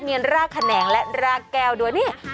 มีรากแขนงและรากแก้วด้วยนี่